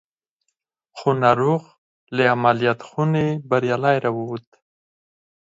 خو ناروغ له عمليات خونې بريالي را ووت.